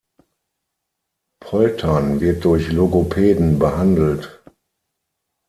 Poltern wird durch Logopäden behandelt.